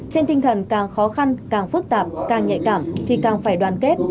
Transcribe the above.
trên tinh thần càng khó khăn càng phức tạp càng nhạy cảm thì càng phải đoàn kết